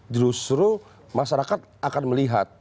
justru masyarakat akan melihat